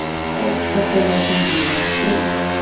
Ad ṭṭfeɣ tamacint i d-itteddun.